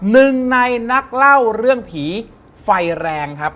หนึ่งในนักเล่าเรื่องผีไฟแรงครับ